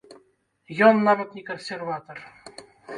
Ён нават не кансерватар.